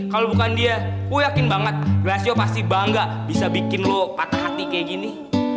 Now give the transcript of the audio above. kalau bukan dia aku yakin banget rasio pasti bangga bisa bikin lo patah hati kayak gini